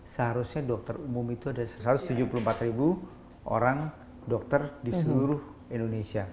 seharusnya dokter umum itu ada satu ratus tujuh puluh empat orang dokter di seluruh indonesia